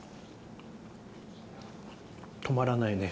止まらないね。